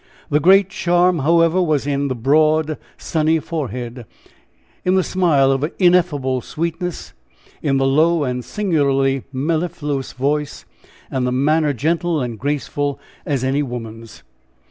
The great charm, however, was in the broad, sunny forehead, in the smile of ineffable sweetness, in the low and singularly mellifluous voice, and the manner, gentle and graceful as any woman's.